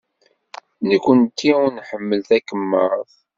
Nekkenti ur nḥemmel takemmart.